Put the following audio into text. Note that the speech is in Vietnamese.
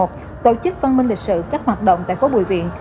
tổ chức văn minh lịch sử các hoạt động tại phố bùi viện